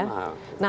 tidak terlalu mahal